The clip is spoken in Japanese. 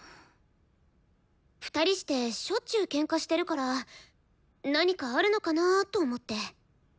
２人してしょっちゅうケンカしてるから何かあるのかなと思って。